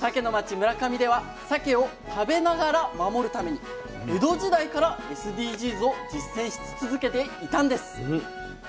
村上ではさけを食べながら守るために江戸時代からＳＤＧｓを実践し続けていたんです。